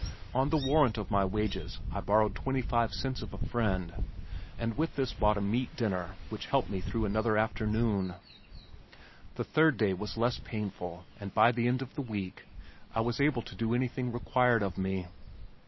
On the warrant of my wages I borrowed twenty five cents of a friend and with this bought a meat dinner which helped me through another afternoon. The third day was less painful and by the end of the week, I was able to do anything required of me.